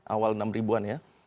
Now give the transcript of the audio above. awal enam ribuan ya